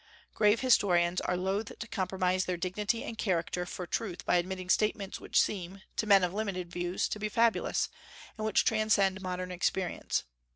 Grave historians are loath to compromise their dignity and character for truth by admitting statements which seem, to men of limited views, to be fabulous, and which transcend modern experience.